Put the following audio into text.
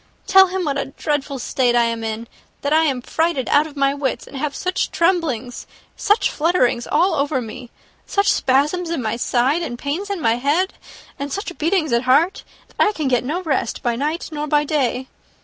Tell him what a dreadful state I am in that I am frightened out of my wits; and have such tremblings, such flutterings all over me, such spasms in my side, and pains in my head, and such beatings at my heart, that I can get no rest by night nor by day.